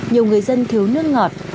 nhiều người dân thiếu nước ngọt